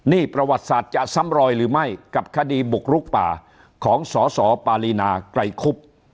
นี่ประวัติศาสตร์จะซ้ำรอยหรือไม่กับคดีบุกลุกป่าของสสปารีนาไกรคุบ